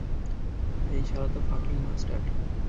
এই শালা তো ফাকিং মাস্টার।